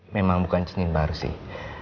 memang bukan senin baru sih